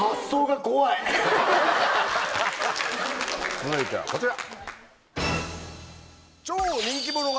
続いてはこちら！